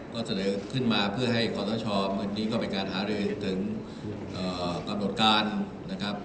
ก็เสนอขึ้นมาเพื่อให้ความต้องชอบเมื่อนี้ก็เป็นการหาเรื่องถึงกำหนดการนะครับ